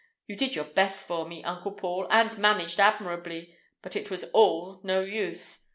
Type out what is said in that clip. You did your best for me, Uncle Paul, and managed admirably, but it was all no use.